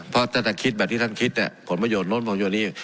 เพราะถ้าจะคิดแบบที่ท่านคิดผลประโยชนโน้นผลประโยชน์นี้